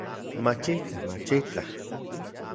Machitlaj, machitlaj